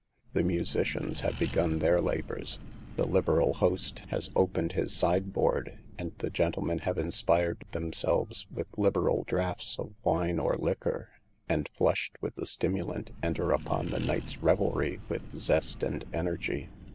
The musicians have begun their labors; the liberal host has opened his sideboard, and the gentlemen have inspired themselves with lib eral draughts of wine or liquor, and, flushed with the stimulant, enter upon the night's rev elry with zest and energy.